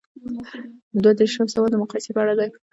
دوه دیرشم سوال د مقایسې په اړه دی.